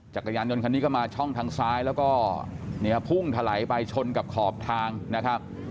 จักรยานยนต์คันนี้ก็มาช่องทางซ้ายแล้วก็เนี่ยพุ่งถลายไปชนกับขอบทางนะครับ